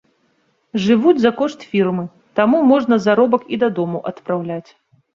Жывуць за кошт фірмы, таму можна заробак і дадому адпраўляць.